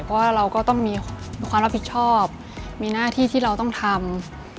เพราะว่าเราก็ต้องมีความรับผิดชอบมีหน้าที่ที่เราต้องทำ